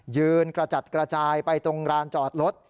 ยืนกระจัดกระจายไปตรงร้านจอดรถ